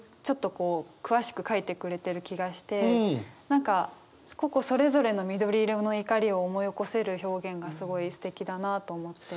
こう詳しく書いてくれてる気がして何か個々それぞれの緑色の怒りを思い起こせる表現がすごいすてきだなと思って。